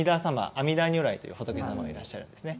阿弥陀如来という仏様がいらっしゃるんですね。